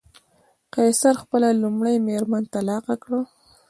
قیصر خپله لومړۍ مېرمن طلاق کړه.